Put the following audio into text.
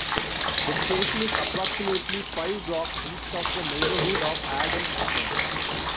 The station is approximately five blocks east of the neighborhood of Adams Morgan.